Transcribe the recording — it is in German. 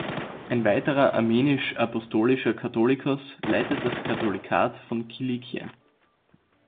Ein weiterer armenisch-apostolischer Katholikos leitet das Katholikat von Kilikien.